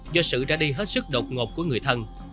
do sự ra đi hết sức độc ngột của người thân